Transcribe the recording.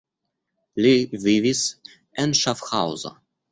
Li vivis en Ŝafhaŭzo.